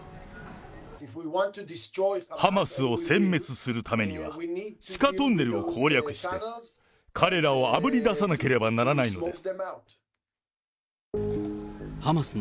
ハマスをせん滅するためには、地下トンネルを攻略して、彼らをあぶり出さなければならないのです。